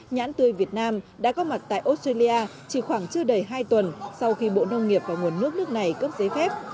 nhãn tươi việt nam đã có mặt tại australia chỉ khoảng chưa đầy hai tuần sau khi bộ nông nghiệp và nguồn nước nước này cấp giấy phép